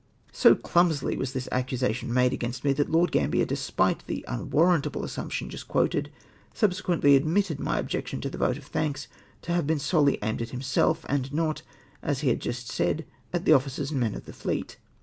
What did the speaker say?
So clumsily was this accusation made against me, that Lord Gambler, despite the unwarrantable as sumption just quoted, subsequently admitted my ob jection to the vote of thanks to have been solely aimed at himself and not, as he had just said, at the officers and men of the fleet.